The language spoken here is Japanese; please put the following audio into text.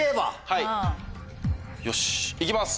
はい。